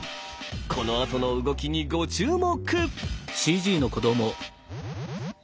このあとの動きにご注目。